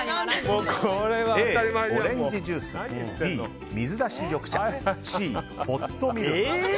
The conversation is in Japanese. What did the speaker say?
Ａ、オレンジジュースＢ、水出し緑茶Ｃ、ホットミルク。